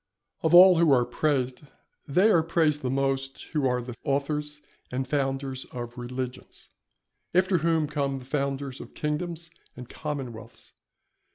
_ Of all who are praised they are praised the most, who are the authors and founders of religions. After whom come the founders of kingdoms and commonwealths.